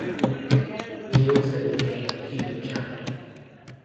She also became Cuban champion.